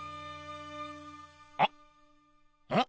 あっうん？